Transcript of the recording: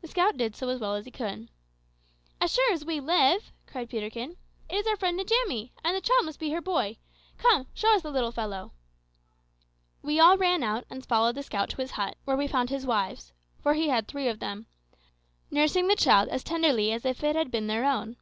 The scout did so as well as he could. "As sure as we live," cried Peterkin, "it is our friend Njamie, and the child must be her boy! Come, show us the little fellow." We all ran out and followed the scout to his hut, where we found his wives for he had three of them nursing the child as tenderly as if it had been their own.